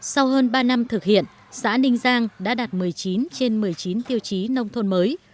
sau hơn ba năm thực hiện xã ninh giang đã đạt một mươi chín trên một mươi chín tiêu chí nông thôn mới